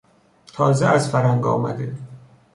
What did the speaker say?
تازه از فرنگ آمده